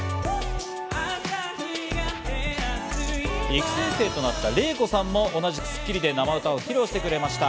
育成生となったＲＥＩＫＯさんも同じく『スッキリ』で生歌を披露してくれました。